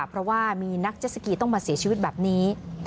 เพราะว่ามีนักเจ็ดสกีต้องมาเสียชีวิตแบบนี้